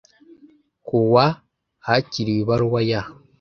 Ku wa hakiriwe ibaruwa ya